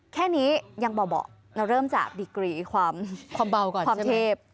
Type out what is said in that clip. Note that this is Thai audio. แค่นี้ยังเบาเราเริ่มจากดีกรีความเทพความเบาก่อนใช่ไหม